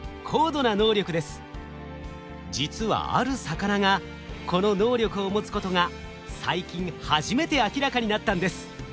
実はある魚がこの能力を持つことが最近初めて明らかになったんです。